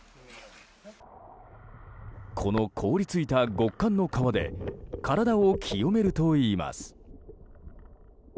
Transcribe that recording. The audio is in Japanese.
この凍りついた極寒の川で体を清めるといいます。